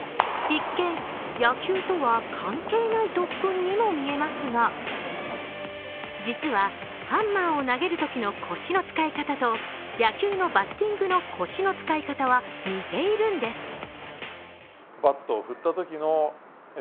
一見、野球とは関係ない特訓にも見えますが、実は、ハンマーを投げるときの腰の使い方と野球のバッティングの腰の使い方は似ているんです。